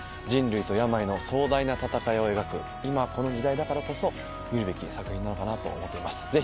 「人類と病の壮大な闘いを描く今この時代だからこそ見るべき作品なのかなと思っています。